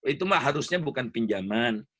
itu mah harusnya bukan pinjaman